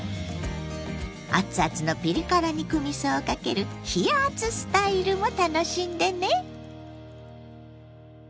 熱々のピリ辛肉みそをかける「冷やあつスタイル」も楽しんでね。